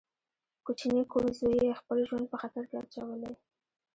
کوچني کوڼ زوی يې خپل ژوند په خطر کې اچولی.